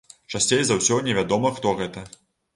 Часцей за ўсё невядома хто гэта.